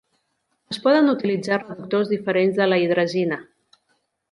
Es poden utilitzar reductors diferents de la hidrazina.